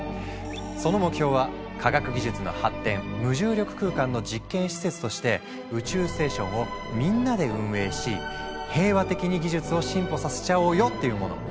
その目標は科学技術の発展無重力空間の実験施設として宇宙ステーションをみんなで運営し平和的に技術を進歩させちゃおうよっていうもの。